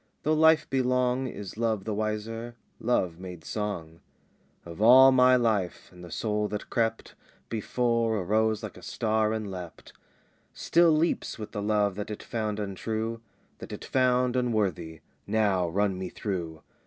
Though life be long Is love the wiser? Love made song "Of all my life; and the soul that crept Before, arose like a star and leapt: "Still leaps with the love that it found untrue, That it found unworthy. Now run me through!